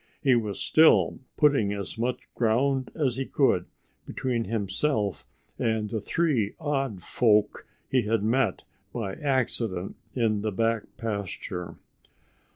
He was still putting as much ground as he could between himself and the three odd folk he had met by accident in the back pasture.